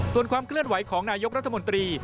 ส่วนความเคลื่อนไหวของนายกรัฐมนตรี